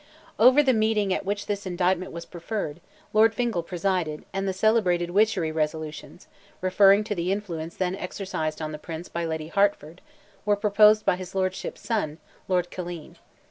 Over the meeting at which this indictment was preferred, Lord Fingal presided, and the celebrated "witchery" resolutions, referring to the influence then exercised on the Prince by Lady Hertford, were proposed by his lordship's son, Lord Killeen.